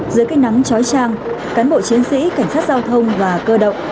dưới cây nắng trói trang cán bộ chiến sĩ cảnh sát giao thông và cơ động